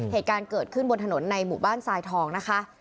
เหตุการณ์เกิดขึ้นบนถนนในหมู่บ้านทรายทองนะคะ